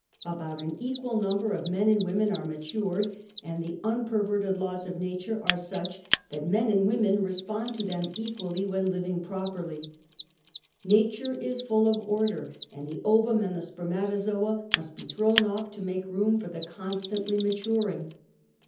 About an equal number of men and women are matured and the unperverted laws of nature are such that men and women res^Dond to them equally when living properl}^ IS'ature is fall of order ; and the ovum and the spermatozoa must be thrown off to .make room for the constantly maturing.